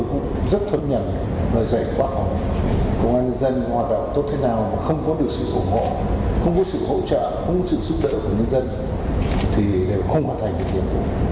không có sự hỗ trợ không có sự giúp đỡ của nhân dân thì đều không hoàn thành được kiện vụ